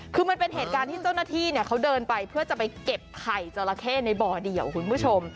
คือมันเป็นเหตุการณ์ที่เจ้าหน้าที่เขาเดินไปเพื่อจะไปเก็บไข่จราเข้ในบ่อเดี่ยวคุณผู้ชม